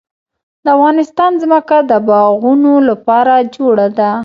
د افغانستان ځمکه د باغونو لپاره جوړه ده.